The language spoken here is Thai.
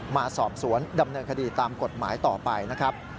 มาสอบสวนดำเนินคดีตามกฎหมายต่อไปนะครับ